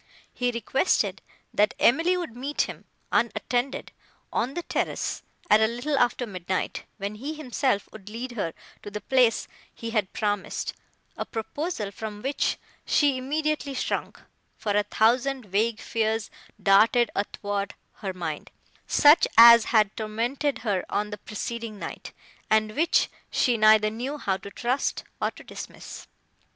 He requested, that Emily would meet him, unattended, on the terrace, at a little after midnight, when he himself would lead her to the place he had promised; a proposal, from which she immediately shrunk, for a thousand vague fears darted athwart her mind, such as had tormented her on the preceding night, and which she neither knew how to trust, nor to dismiss.